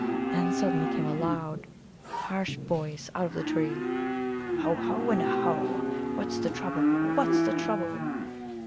And suddenly came a loud, harsh voice out of the tree. "Ho, ho, and ahôh! What's the trouble? what's the trouble?"